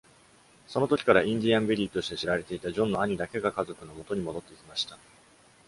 その時から「インディアン・ビリー」として知られていたジョンの兄だけが家族の元に戻ってきました。